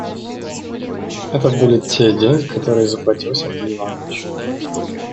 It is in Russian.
Это были те деньги, которые заплатил Сергей Иванович.